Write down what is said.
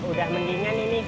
udah mendingan ini